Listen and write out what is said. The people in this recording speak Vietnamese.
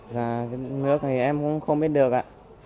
dạ cái nước thì em cũng không biết được ạ